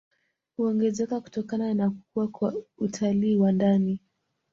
Huongezeka kutokana na kukua kwa utalii wa ndani